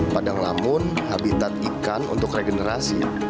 padang lamun habitat ikan untuk regenerasi